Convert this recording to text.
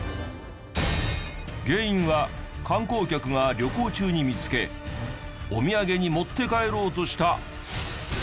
原因は観光客が旅行中に見つけお土産に持って帰ろうとした。